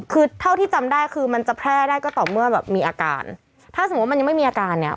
คือเท่าที่จำได้คือมันจะแพร่ได้ก็ต่อเมื่อแบบมีอาการถ้าสมมุติมันยังไม่มีอาการเนี่ย